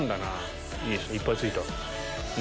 いっぱいついた。